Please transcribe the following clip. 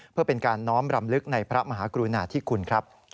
เพื่อเป็นการน้อมรำลึกในพระมหากรุณาธิคุณครับ